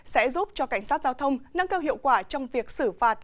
sẽ giúp cho cảnh sát giao thông nâng cao hiệu quả trong việc xử phạt